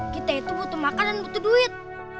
kita itu butuh makanan butuh duit